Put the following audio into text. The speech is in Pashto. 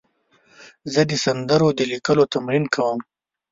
زه د سندرو د لیکلو تمرین کوم.